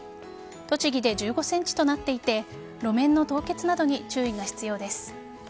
栃木で１５ｃｍとなっていて路面の凍結などに注意が必要です。